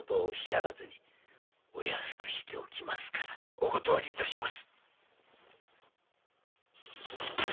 お断り致します。